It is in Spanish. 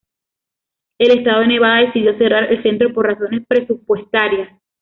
El estado de Nevada decidió cerrar el centro por razones presupuestarias.